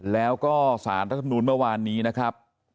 แล้วก็สารรัฐมนูลเมื่อวานนี้นะครับ